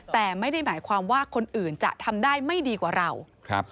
แต่ไม่ได้หมายความว่าคนอื่นจะทำได้ไม่ดีกว่าเราครับ